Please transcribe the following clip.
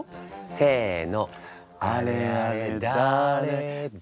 せの。